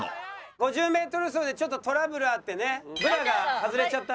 ５０メートル走でちょっとトラブルあってねブラが外れちゃった。